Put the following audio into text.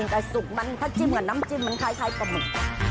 แต่สุกมันถ้าจิ้มกับน้ำจิ้มมันคล้ายปลาหมึก